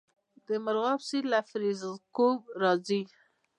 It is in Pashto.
د مرغاب سیند له فیروز کوه راځي